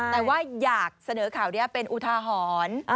แต่ว่าอยากเสนอข่าวนี้เป็นอุทาหรณ์